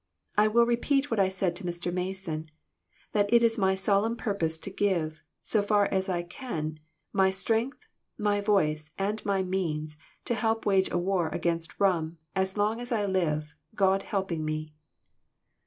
I will repeat what I said to Mr. Mason, that it is my solemn purpose to give, so far as I can, my strength, my voice and my means, to help wage a war against rum, as long as I live, God helping me